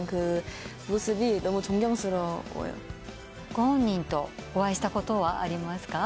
ご本人とお会いしたことはありますか？